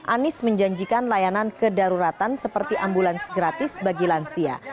anies menjanjikan layanan kedaruratan seperti ambulans gratis bagi lansia